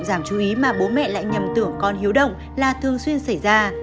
giảm chú ý mà bố mẹ lại nhầm tưởng con hiếu động là thường xuyên xảy ra